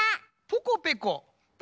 ポコペコ。